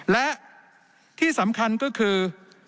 และที่สำคัญก็คือ